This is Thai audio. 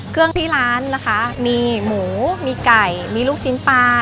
เครื่องที่ร้านนะคะมีหมูมีไก่มีลูกชิ้นปลา